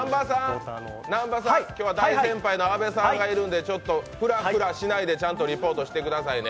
南波さん、今日は大先輩の阿部さんがいるのでフラフラしないでちゃんとリポートしてくださいね。